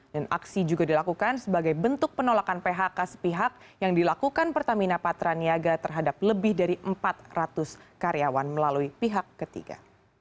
dan aksi juga dilakukan sebagai bentuk penolakan phk sepihak yang dilakukan pertamina patraniaga terhadap lebih dari empat ratus karyawan melalui pihak ketiga